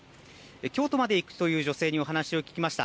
京都まで行くという女性にお話を聞きました。